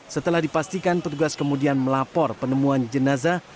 setelah dipastikan petugas kemudian melapor penemuan jenazah